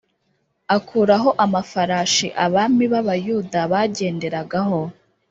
Akuraho amafarashi abami b’ Abayuda bagenderagaho